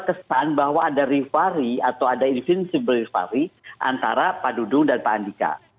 kesan bahwa ada revari atau ada invincible revari antara pak dudung dan pak andika